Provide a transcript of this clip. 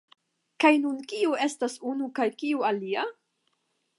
Kaj nun kiu estas unu kaj kiu alia?